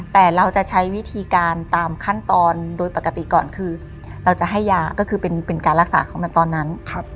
แต่เราจะใช้วิธีการตามขั้นตอนโดยปกติก่อนคือเราจะให้ยาก็คือเป็นการรักษาของมันตอนนั้น